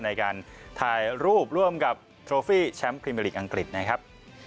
ในการถ่ายรูปร่วมกับโชฟี่แชมป์พรีเมอร์ลีกอังกฤษนะครับ